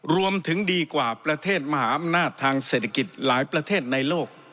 รวมถึงดีกว่าประเทศมหาอำนาจทางเศรษฐกิจหลายประเทศในโลก